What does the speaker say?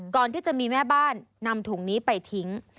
ก่อนที่จะมีแม่บ้านนำถุงนี้ไปทิ้ง